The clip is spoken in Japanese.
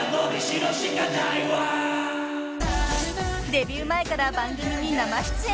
［デビュー前から番組に生出演］